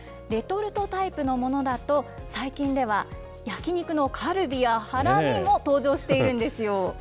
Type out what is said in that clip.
レトルトタイプのものだと、最近では、焼き肉のカルビやハラミも登場しているんですよ。